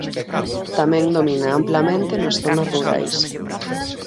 Tamén domina amplamente nas zonas rurais.